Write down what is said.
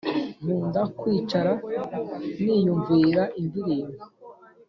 Nkunda kwicara niyumvira indirimbo